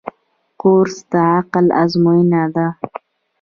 کورس د عقل آزموینه ده.